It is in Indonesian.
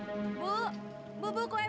aduh apa sih